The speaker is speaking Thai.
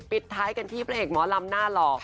ปิดท้ายกันที่พระเอกหมอลำหน้าหล่อ